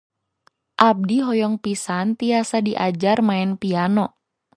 Abdi hoyong pisan tiasa diajar maen piano.